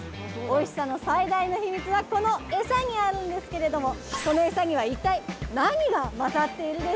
おいしさの最大の秘密はこのエサにあるんですけれどもこのエサには一体何が混ざっているでしょうか。